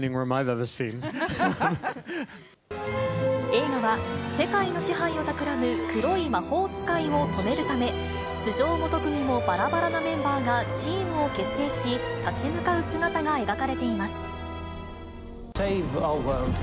映画は、世界の支配をたくらむ黒い魔法使いを止めるため、素性も特技もばらばらなメンバーがチームを結成し、立ち向かう姿が描かれています。